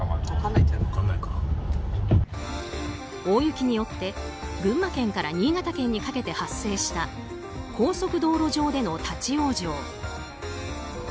大雪によって群馬県から新潟県にかけて発生した高速道路上での立ち往生。